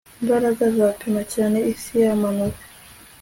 imbaraga zapima cyane isi yamanuwe